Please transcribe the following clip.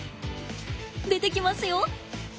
出てきますよ。